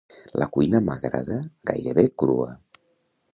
La cuina m'agrada gairebé crua.